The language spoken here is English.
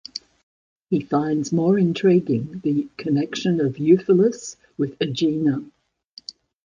He finds more intriguing the connection of Eupolis with Aegina.